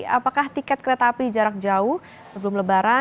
apakah tiket kereta api jarak jauh sebelum lebaran